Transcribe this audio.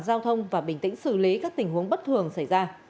giao thông và bình tĩnh xử lý các tình huống bất thường xảy ra